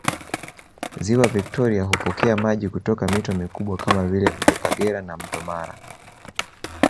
Ziwa Victoria hupokea maji kutoka mito mikubwa kama vile mto Kagera na mto Mara